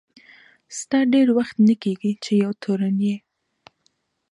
ستا ډېر وخت نه کیږي چي یو تورن یې.